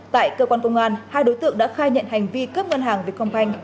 tại cơ quan công an hai đối tượng đã khai nhận hành vi cướp ngân hàng việt công banh